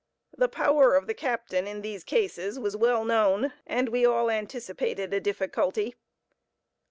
The power of the captain in these cases was well known, and we all anticipated a difficulty.